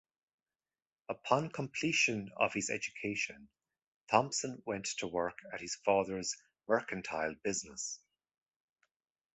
Upon completion of his education, Thompson went to work at his father's mercantile business.